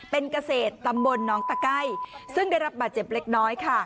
เป็นเกษตรตำบลน้องตะไก้ซึ่งได้รับบาดเจ็บเล็กน้อยค่ะ